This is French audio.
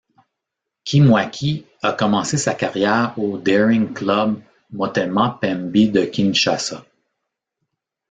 Kimwaki a commencé sa carrière au Daring Club Motema Pembe de Kinshasa.